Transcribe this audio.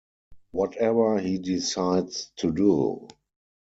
Whatever he decides to do!